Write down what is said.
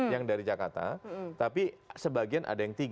yang dari jakarta tapi sebagian ada yang tiga